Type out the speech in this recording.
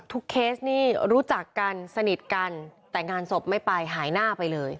เคสนี่รู้จักกันสนิทกันแต่งานศพไม่ไปหายหน้าไปเลย